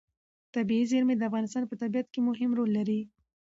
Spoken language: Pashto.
طبیعي زیرمې د افغانستان په طبیعت کې مهم رول لري.